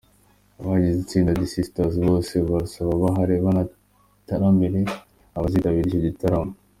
Abagize itsinda The Sisters bose bazaba bahari banataramire abazitabira icyo gitaramo.